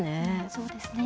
そうですね。